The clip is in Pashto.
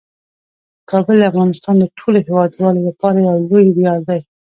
کابل د افغانستان د ټولو هیوادوالو لپاره یو لوی ویاړ دی.